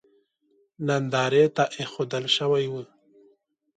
نندارې ته اېښودل شوی و.